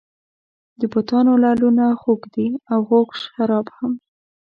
د بتانو لعلونه خوږ دي او خوږ شراب هم.